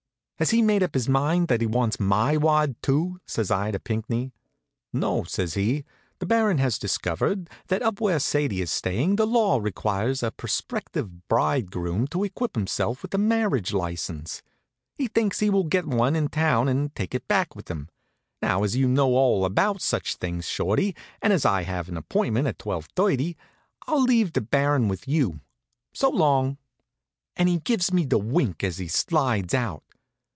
"Has he made up his mind that he wants my wad, too?" says I to Pinckney. "No," says he. "The Baron has discovered that up where Sadie is staying the law requires a prospective bridegroom to equip himself with a marriage license. He thinks he will get one in town and take it back with him. Now, as you know all about such things, Shorty, and as I have an appointment at twelve thirty, I'll leave the Baron with you. So long!" and he gives me the wink as he slides out.